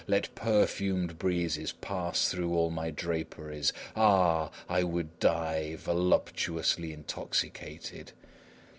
Let perfumed breezes pass through all my draperies! Ah, I would die, voluptuously intoxicated.